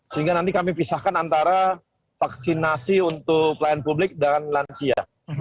sehingga nanti kami pisahkan antara vaksinasi untuk pelayan publik dan lansia